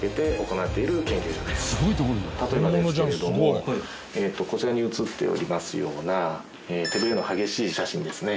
例えばですけれどもこちらに映っておりますような手ブレの激しい写真ですね。